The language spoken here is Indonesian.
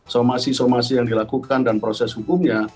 somasi somasi yang dilakukan dan proses hukumnya